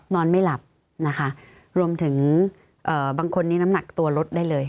นอนไม่หลับนะคะรวมถึงบางคนนี้น้ำหนักตัวลดได้เลย